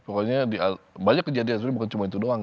pokoknya banyak kejadian sebenarnya bukan cuma itu doang